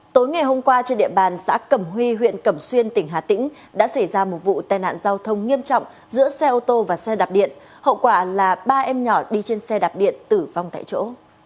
tối ngày hôm qua trên địa bàn xã cẩm huy huyện cẩm xuyên tỉnh hà tĩnh đã xảy ra một vụ tai nạn giao thông nghiêm trọng giữa xe ô tô và xe đạp điện hậu quả là ba em nhỏ đi trên xe đạp điện tử vong tại chỗ